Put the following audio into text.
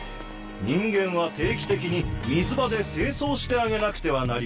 人間は定期的に水場で清掃してあげなくてはなりません。